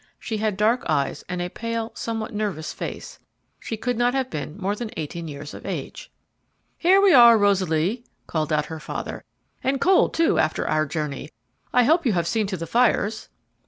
She had dark eyes and a pale, somewhat nervous face; she could not have been more than eighteen years of age. "Here we are, Rosaly," called out her father, "and cold too after our journey. I hope you have seen to the fires."